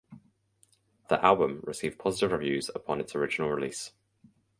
The album received positive reviews upon its original release.